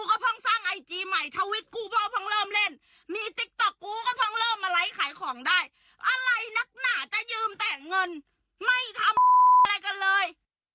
อัดอั้นมากพี่อุ๋ย